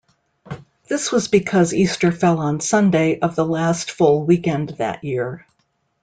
This was because Easter fell on Sunday of the last full weekend that year.